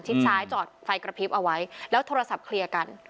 ซ้ายจอดไฟกระพริบเอาไว้แล้วโทรศัพท์เคลียร์กัน